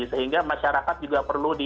sehingga masyarakat juga perlu di